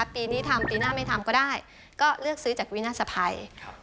ปีนี้ทำปีหน้าไม่ทำก็ได้ก็เลือกซื้อจากวินาศภัย